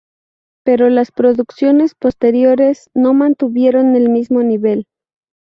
Pero las producciones posteriores no mantuvieron el mismo nivel.